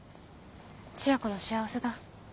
千夜子の幸せだ。